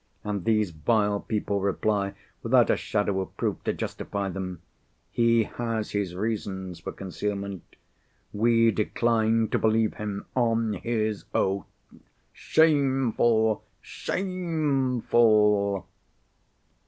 And these vile people reply, without a shadow of proof to justify them, He has his reasons for concealment; we decline to believe him on his oath. Shameful! shameful!"